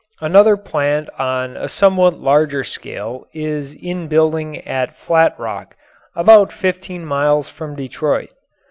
Another plant on a somewhat larger scale is in building at Flat Rock, about fifteen miles from Detroit.